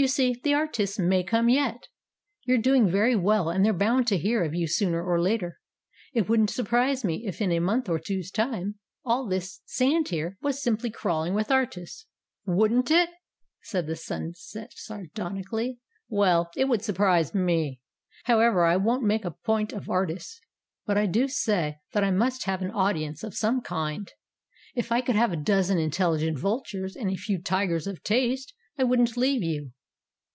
You see, the artists may come yet. You're doing very well, and they're bound to hear of you sooner or later. It wouldn't surprise me if in a month or two's time all this sand here was simply crawling with artists." "Wouldn't it?" said the Sunset sardonically. "Well, it would surprise me. However, I won't make a point of artists, but I do say that I must have an audience of some kind. If I could have a dozen in telligent vultures and a few tigers of taste I wouldn't leave you."